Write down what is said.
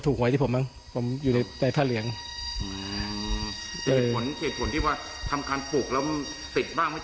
ตรงนี้มันมีปัจจัยอะไร